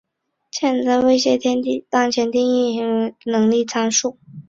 潜在威胁天体当前的定义是基于该物体接近威胁地球的潜在能力参数。